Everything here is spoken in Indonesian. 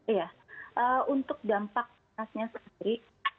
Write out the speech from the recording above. iya untuk dampak panasnya sendiri